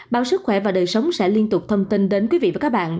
báo sức khỏe và đời sống sẽ liên tục thông tin đến quý vị và các bạn